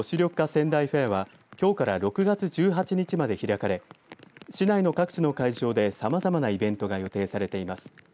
仙台フェアはきょうから６月１８日まで開かれ市内の各地の会場でさまざまなイベントが予定されています。